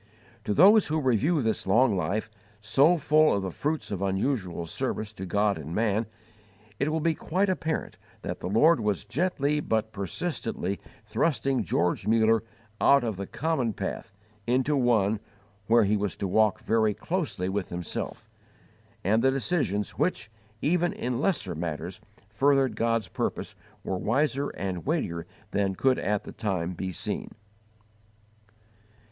To those who review this long life, so full of the fruits of unusual service to God and man, it will be quite apparent that the Lord was gently but persistently thrusting George Muller out of the common path into one where he was to walk very closely with Himself; and the decisions which, even in lesser matters furthered God's purpose were wiser and weightier than could at the time be seen.